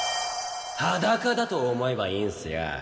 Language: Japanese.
裸だと思えばいいんすよ。